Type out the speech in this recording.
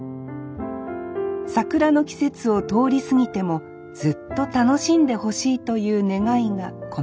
桜の季節を通り過ぎてもずっと楽しんでほしいという願いが込められています